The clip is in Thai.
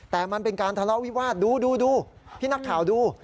แต่มันเป็นการทะเลาะวิวาสดูพี่นักข่าวดู